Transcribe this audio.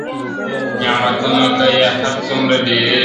نعمتونه که یې هر څومره ډیریږي !.